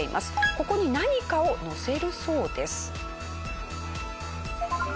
ここに何かをのせるそうです。